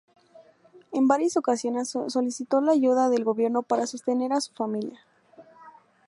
En varias ocasiones solicitó la ayuda del gobierno para sostener a su familia.